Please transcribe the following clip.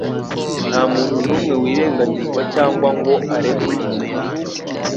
Nta muntu n'umwe wirengagizwa cyangwa ngo arekwe.